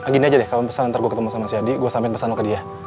gini aja deh kalau pesan nanti gue ketemu sama si adi gue sampein pesan mau ke dia